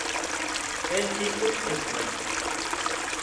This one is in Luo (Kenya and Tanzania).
En chi osiepna